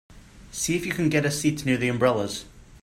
See if you can get us seats near the umbrellas.